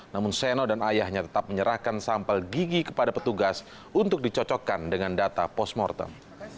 namun seno dan ayahnya tetap menyerahkan sampel gigi kepada petugas untuk dicocokkan dengan data postmortem